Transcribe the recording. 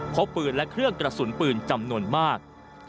พบปืนและเครื่องกระสุนปืนจำนวนมาก